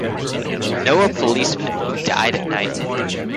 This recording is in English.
Know a policeman who died at night.